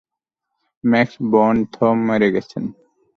Max Born থ মেরে গেছেন।